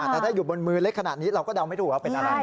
แต่ถ้าอยู่บนมือเล็กขนาดนี้เราก็เดาไม่ถูกว่าเป็นอะไร